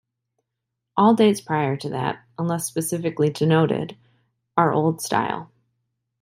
All dates prior to that, unless specifically denoted, are Old Style.